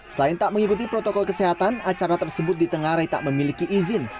selain tak mengikuti protokol kesehatan acara tersebut di tengah rei tak memiliki izin